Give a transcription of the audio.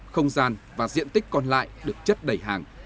không gian và diện tích còn lại được chất đầy hàng